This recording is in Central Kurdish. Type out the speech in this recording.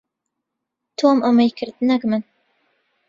تۆم ئەمەی کرد، نەک من.